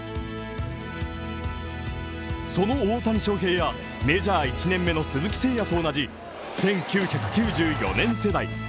その大谷翔平やメジャー１年目の鈴木誠也と同じ１９９４年世代